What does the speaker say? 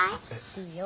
いいよ。